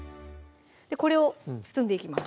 これを包んでいきます